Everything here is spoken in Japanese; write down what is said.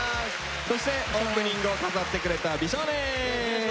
そしてオープニングを飾ってくれた美少年！